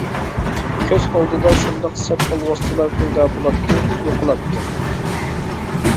كۆز ئالدىدا شۇنداق سەت ئالۋاستىلار پەيدا بولاتتى، يوقىلاتتى.